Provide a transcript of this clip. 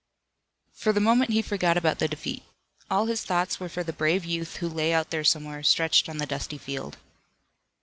For the moment he forgot about the defeat. All his thoughts were for the brave youth who lay out there somewhere, stretched on the dusty field.